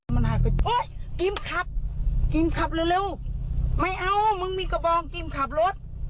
มันหายไปโอ๊ยกิมขับกิมขับเร็วไม่เอามึงมีกระบองกิมขับรถ